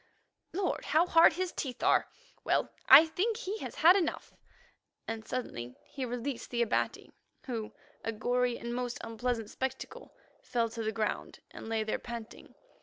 Lord, how hard his teeth are. Well, I think he has had enough," and suddenly he released the Abati, who, a gory and most unpleasant spectacle, fell to the ground and lay there panting.